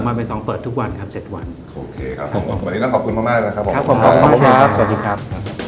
ใบสองเปิดทุกวันครับเจ็ดวันโอเคครับผมสวัสดีต้องขอบคุณมากมากนะครับผมครับผมขอบคุณครับสวัสดีครับ